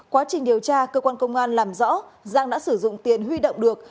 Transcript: quá trình điều tra cơ quan công an làm rõ giang đã sử dụng tiền huy động được